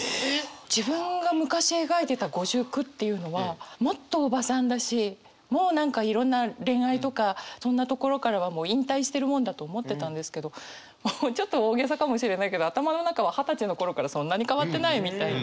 自分が昔描いてた５９っていうのはもっとおばさんだしもう何かいろんな恋愛とかそんなところからはもう引退してるもんだと思ってたんですけどもうちょっと大げさかもしれないけど頭の中は二十歳の頃からそんなに変わってないみたいな。